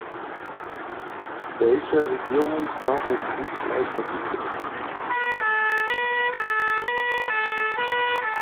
Welche "regierungsnahen Dienstleister" gibt es?